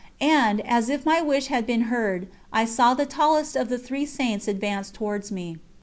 And, as if my wish had been heard, I saw the tallest of the three Saints advance towards me.